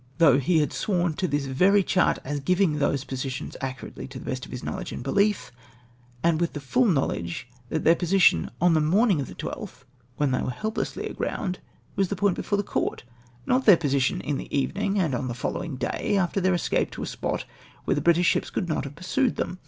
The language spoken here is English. though he had sworn to this very chart as giving those positions accurately to the best of his knowledge and belief; and Avith the full Imowledge that their position on the morning of the 12th, when they were helplessly agromid, was the point before the court, — not theu' position in the evening, and on the fohowing day after their escape to a spot where the British ships coidd not have pursued them.